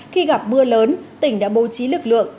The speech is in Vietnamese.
khi gặp mưa lớn tỉnh đã bố trí lực lượng